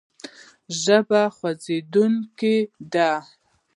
ژبه خوځېدونکې ده.